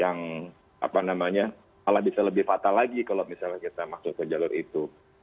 yang apa namanya malah bisa lebih fatal lagi kalau misalnya kita masuk ke jalur itu